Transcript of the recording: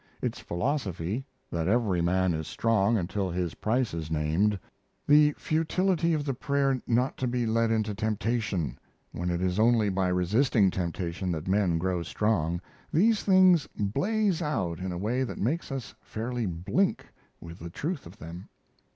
Its philosophy, that every man is strong until his price is named; the futility of the prayer not to be led into temptation, when it is only by resisting temptation that men grow strong these things blaze out in a way that makes us fairly blink with the truth of them.